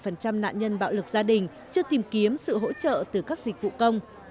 bốn mươi nạn nhân bạo lực gia đình chưa tìm kiếm sự hỗ trợ từ các dịch vụ công